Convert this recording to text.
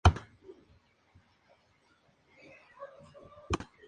Fue la bandera que usaron los grupos anarcosindicalistas durante la guerra civil española.